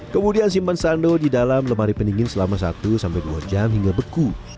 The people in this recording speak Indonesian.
kemudian simpan sando di dalam lemari pendingin selama satu sampai dua jam hingga beku